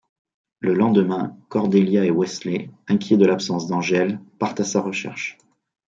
Le lendemain, Cordelia et Wesley, inquiets de l'absence d'Angel, partent à sa recherche.